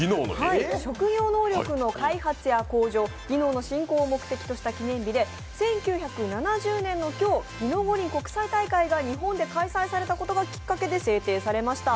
職業能力の開発や向上、技能の振興を目的とした記念日で、１９７０年の今日、技能五輪国際大会が日本で開催されたことがきっかけで制定されました。